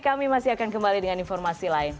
kami masih akan kembali dengan informasi lain